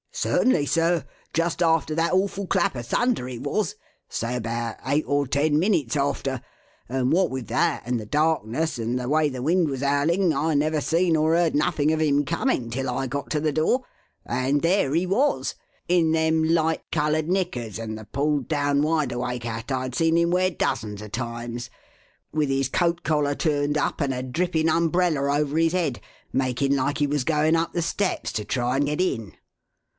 "Certainly, sir. Just after that awful clap of thunder it was say about eight or ten minutes after; and what with that and the darkness and the way the wind was howling, I never see nor heard nothing of him coming till I got to the door, and there he was in them light coloured knickers and the pulled down wideawake hat I'd seen him wear dozens of times with his coat collar turned up and a drippin' umbrella over his head, making like he was going up the steps to try and get in.